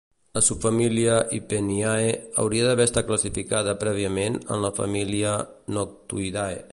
"La subfamília 'Hypeninae ' hauria d'haver estat classificada prèviament en la família Noctuidae."